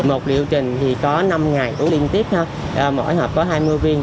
một liệu trình thì có năm ngày uống liên tiếp mỗi hộp có hai mươi viên